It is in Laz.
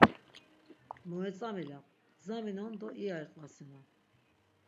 Mo etzamilap! Gzaminon do iya iqvasinon.